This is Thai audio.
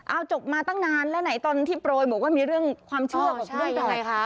เอาจบมาตั้งนานแล้วไหนตอนที่โปรยบอกว่ามีเรื่องความเชื่อบอกเรื่องยังไงคะ